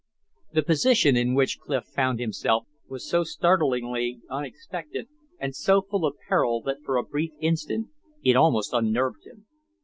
The position in which Clif found himself was so startlingly unexpected and so full of peril that for a brief instant it almost unnerved him.